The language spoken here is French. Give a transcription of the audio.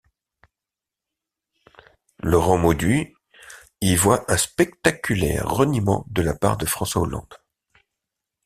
Laurent Mauduit y voit un spectaculaire reniement de la part de François Hollande.